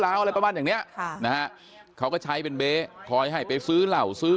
อะไรประมาณอย่างเนี้ยค่ะนะฮะเขาก็ใช้เป็นเบ๊คอยให้ไปซื้อเหล่าซื้อ